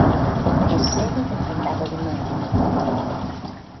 Es sede del condado de Mackinac.